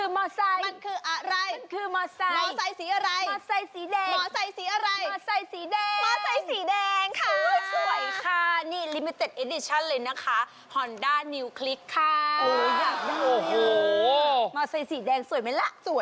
ไม่ได้สนใจอะไรเลยสองสาว